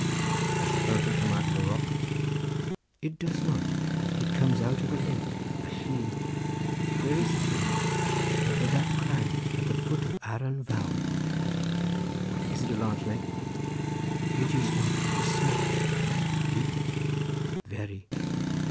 "Does the fountain come out of a rock?" "It does not; it comes out of a lake, a llyn." "Where is the llyn?" "Over that crag at the foot of Aran Vawr." "Is it a large lake?" "It is not; it is small." "Deep?" "Very."